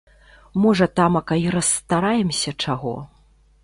Можа тамака й расстараемся чаго.